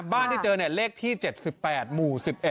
บ้านที่เจอเลขที่๗๘หมู่๑๑